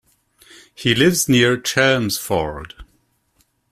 He lives near Chelmsford.